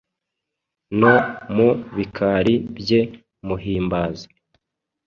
No mu bikari bye muhimbaza;